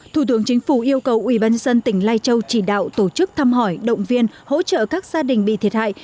thủ tướng chính phủ yêu cầu ubnd tỉnh lai châu chỉ đạo tổ chức thăm hỏi động viên hỗ trợ các gia đình bị thiệt hại